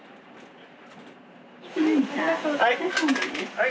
はい。